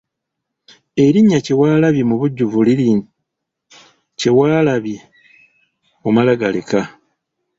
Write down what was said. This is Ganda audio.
Erinnya Kyewalabye mubujjuvu liri Kye waalabye omala galeka.